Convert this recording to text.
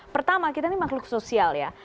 pertama kita ini makhluk sosial ya